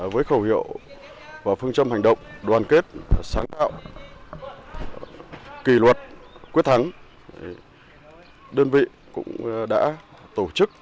với khẩu hiệu và phương châm hành động đoàn kết sáng tạo kỳ luật quyết thắng đơn vị cũng đã tổ chức